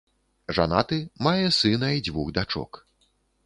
Жанаты, мае сына і дзвюх дачок.